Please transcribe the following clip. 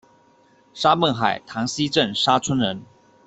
沙孟海塘溪镇沙村人。